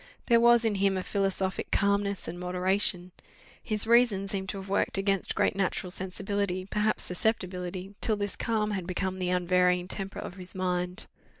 There was in him a philosophic calmness and moderation; his reason seemed to have worked against great natural sensibility, perhaps susceptibility, till this calm had become the unvarying temper of his mind.